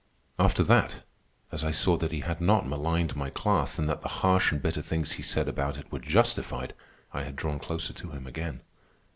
After that, as I saw that he had not maligned my class, and that the harsh and bitter things he said about it were justified, I had drawn closer to him again.